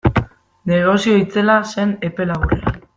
Negozio itzela zen epe laburrean.